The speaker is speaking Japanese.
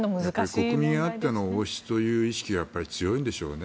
国民あっての王室という意識が強いんでしょうね。